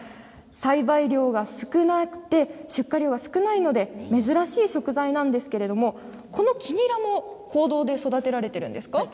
栽培量が少なくて出荷量が少ないので珍しい食材なんですけれどこの黄ニラも坑道で育てられているんですか。